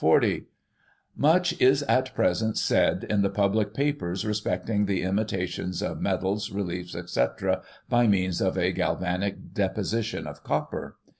— Much is at present said in the public papers respecting the imitations of medals, reliefs, etc, by means of a galvanic deposition of copper.